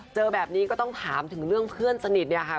เจอแบบนี้ก็ต้องถามถึงเรื่องเพื่อนสนิทเนี่ยค่ะ